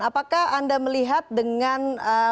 apakah anda melihat dengan